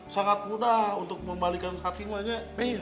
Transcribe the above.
sangat mudah untuk membalikan satinwanya